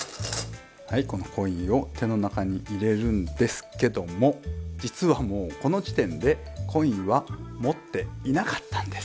はいこのコインを手の中に入れるんですけども実はもうこの時点でコインは持っていなかったんです。